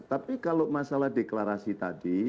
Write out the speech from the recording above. tapi kalau masalah deklarasi tadi